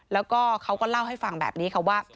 แล้วก็เขาก็เล่าให้ฟังแบบนี้ค่ะว่า